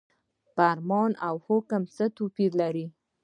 فرمان او حکم څه توپیر لري؟